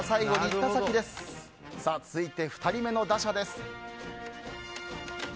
続いて２人目の打者です。